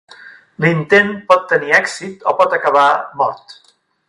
L'intent pot tenir èxit o pot acabar... "Mort".